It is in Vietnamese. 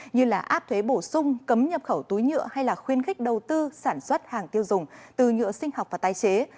như áp thuế bổ sung cấm nhập khẩu túi nhựa hay khuyên khích đầu tư sản xuất hàng tiêu dùng từ nhựa sinh học và tài chế